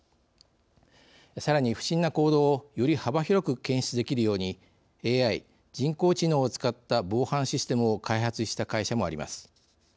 さらに、不審な行動をより幅広く検出できるようにＡＩ＝人工知能を使った防犯システムを開発した会社もあります。